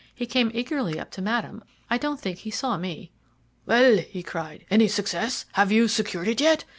He came eagerly up to Madame I don't think he saw me. "'Well!' he cried; 'any success? Have you secured it yet?